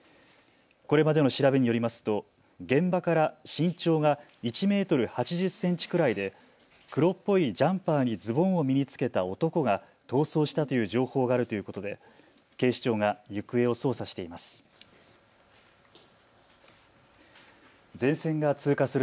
これまでの調べによりますと現場から身長が１メートル８０センチくらいで黒っぽいジャンパーにズボンを身に着けた男が逃走したという情報があるということで警視庁が行方を捜査しています。